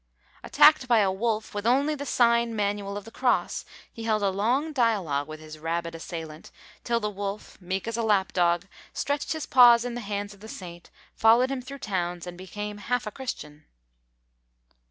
Attacked by a wolf, with only the sign manual of the cross, he held a long dialogue with his rabid assailant, till the wolf, meek as a lap dog, stretched his paws in the hands of the saint, followed him through towns, and became half a Christian.